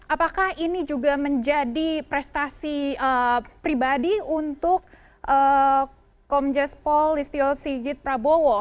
apakah ini juga menjadi prestasi pribadi untuk komjespol listio cina